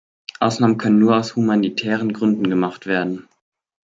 Ausnahmen können nur aus humanitären Gründen gemacht werden.